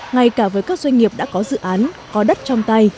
ngay cả với các doanh nghiệp đã có dự án có đất trong tay